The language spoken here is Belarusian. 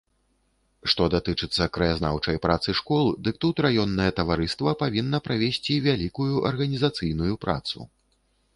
Што датычыцца краязнаўчай працы школ, дык тут раённае таварыства павінна правесці вялікую арганізацыйную працу.